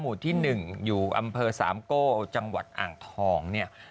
หมู่ที่๑อยู่อำเภอสามโก้จังหวัดอ่างทองเนี่ย